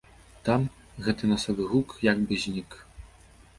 Там гэты насавы гук як бы знік.